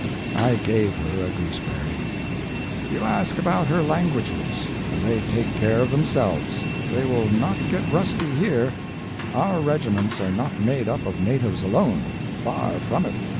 I gave her a gooseberry. You ask about her languages. They take care of themselves; they will not get rusty here; our regiments are not made up of natives alone—far from it.